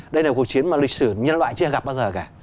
đây là cuộc chiến mà lịch sử nhân loại chưa gặp bao giờ cả